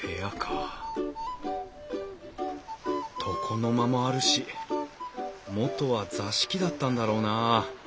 床の間もあるし元は座敷だったんだろうなあ。